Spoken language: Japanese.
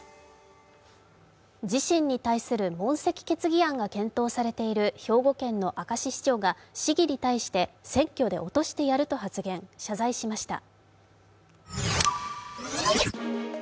自身に対する問責決議案が検討されている兵庫県の明石市長が市議に対して選挙で落としてやると発言、謝罪しました。